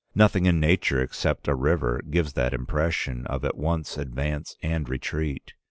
Nothing in nature except a river gives that impression of at once advance and retreat.